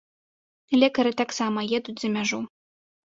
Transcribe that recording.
Лекары таксама едуць за мяжу.